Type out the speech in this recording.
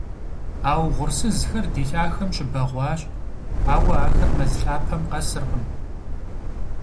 А угъурсызхэр ди лъахэм щыбэгъуащ, ауэ ахэр мэз лъапэм къэсыркъым.